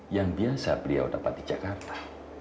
yang biasa beliau dapat di jakarta